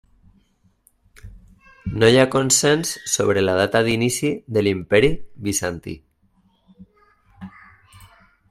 No hi ha consens sobre la data d'inici de l'imperi Bizantí.